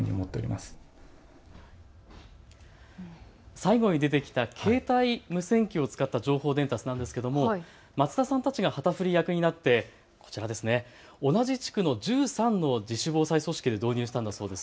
最後に出てきた携帯無線機を使った情報伝達なんですけども松田さんたちが旗振り役になってこちら同じ地区の１３の自主防災組織で導入したんだそうです。